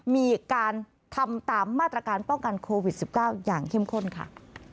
มีการทำตามมาตรการป้องกันโควิด๑๙อย่างเข้มข้นค่ะ